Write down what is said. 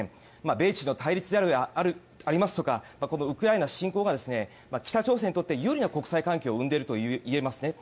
米中の対立がありますとかウクライナ侵攻が北朝鮮にとって有利な国際環境を生んでいるといえますね。